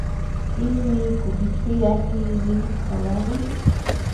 ini kupitia hili tayari